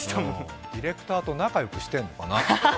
ディレクターと仲よくしてるのかな。